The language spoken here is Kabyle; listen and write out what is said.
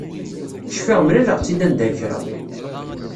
Cfiɣ mlaleɣ-tt-id anda n kra.